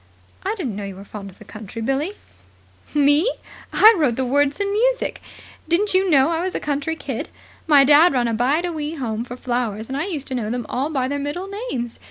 "I didn't know you were fond of the country, Billie." "Me? I wrote the words and music. Didn't you know I was a country kid? My dad ran a Bide a Wee Home for flowers, and I used to know them all by their middle names.